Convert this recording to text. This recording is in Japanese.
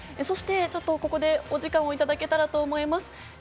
そしてここでお時間をいただけたらと思います。